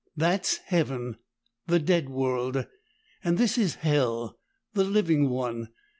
"That's Heaven, the dead world, and this is Hell, the living one.